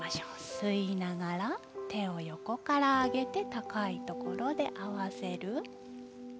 吸いながら手を横から上げて高いところで合わせる。